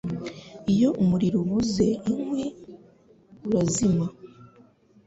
Iyo umuriro ubuze inkwi urazima